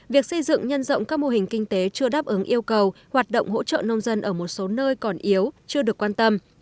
việc xây dựng nhân rộng các mô hình kinh tế chưa đáp ứng yêu cầu hoạt động hỗ trợ nông dân ở một số nơi còn yếu chưa được quan tâm